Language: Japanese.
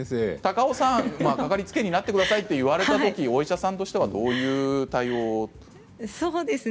かかりつけ医になってくださいと言われたときお医者さんとしては対応ですか。